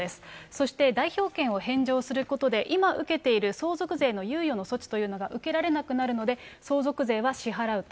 そして代表権を返上することで、今、受けている相続税の猶予の措置というのが受けられなくなるので、相続税は支払うと。